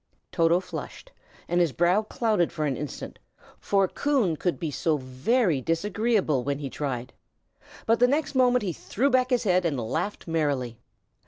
Toto flushed, and his brow clouded for an instant, for Coon could be so very disagreeable when he tried; but the next moment he threw back his head and laughed merrily.